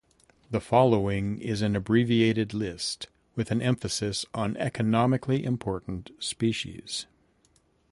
The following is an abbreviated list, with an emphasis on economically important species.